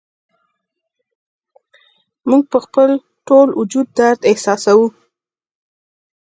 موږ په خپل ټول وجود درد احساسوو